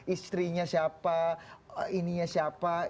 istrinya siapa ininya siapa